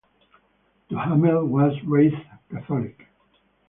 Duhamel was raised Catholic.